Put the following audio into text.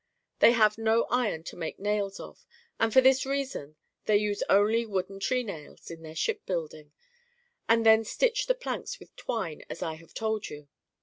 They have no iron to make nails of, and for this reason they use only wooden trenails in their shipbuilding, and then stitch the planks with twine as I have told you.